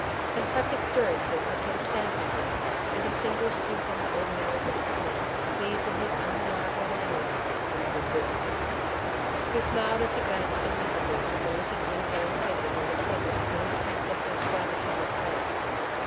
And such experiences had put a stamp on him, and distinguished him from the ordinary ruck of men these and his undeniable manliness, and good looks. He smiled as he glanced amusedly from the littered wind blown papers on the table to his hostess' rather troubled face.